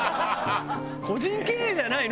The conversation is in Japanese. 個人経営じゃないの？